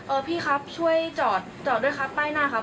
เออพี่ครับช่วยจอดด้วยครับใป้หน้าครับ